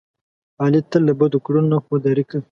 علي تل له بدو کړنو نه خوداري کوي.